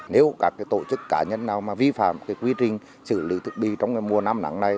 nếu các tổ chức cá nhân nào mà vi phạm quy trình xử lý thực bị trong mùa năm nắng này